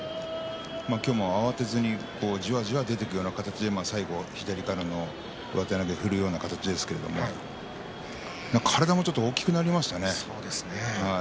今日も、慌てずにじわじわ出ていく形で左からの上手投げを振るうような形ですけど体もちょっと大きくなりましたね。